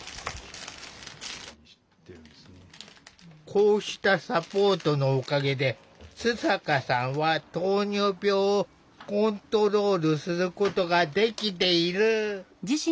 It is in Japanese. こうしたサポートのおかげで津坂さんは糖尿病をコントロールすることができている。